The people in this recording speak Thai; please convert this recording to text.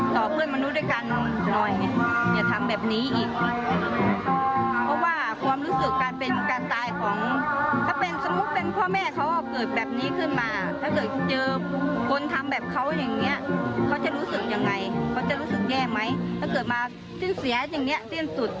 ทำไมเขาไม่คิด